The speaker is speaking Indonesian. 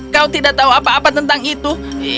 kau tidak tahu apa apa tentang itu